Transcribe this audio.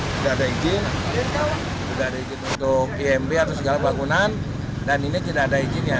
sudah ada izin untuk imb atau segala bangunan dan ini tidak ada izinnya